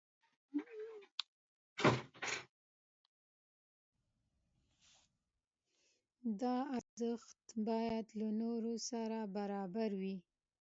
دا ارزښت باید له نورو سره برابر وي.